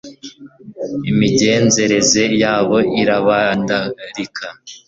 imigenzereze yabo irabandarika